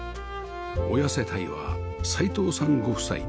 親世帯は齋藤さんご夫妻